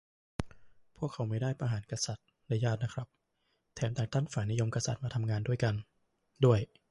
พวกเขาไม่ได้ประหารกษัตริย์และญาตินะครับ แถมแต่งตั้งฝ่ายนิยมกษัตริย์มาทำงานด้วยกันด้วย